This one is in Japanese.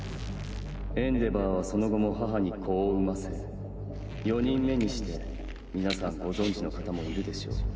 エンデヴァーはその後も母に子を産ませ４人目にして皆さんご存じの方もいるでしょう